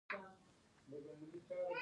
ایا نباتات تنفس کوي؟